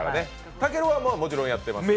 たけるはもちろんやってますね？